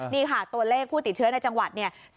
นี่ค่ะตัวเลขผู้ติดเชื้อในจังหวัดเนี่ย